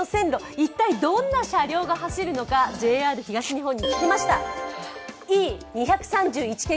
一体どんな車両が走るのか、ＪＲ東日本に聞きました。